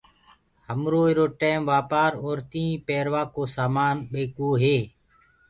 همرو ايرو ٽيم وآپآر اورتي پيروآ ڪو سآمآن ٻيڪوو هي